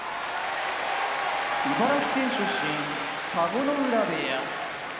茨城県出身田子ノ浦部屋